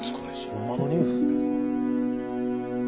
ほんまのニュースですか。